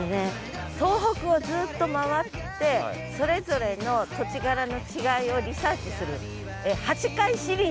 東北をずっと回ってそれぞれの土地柄の違いをリサーチする８回シリーズどうでしょうね。